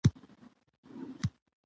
يو ایمان او بل نیک عمل.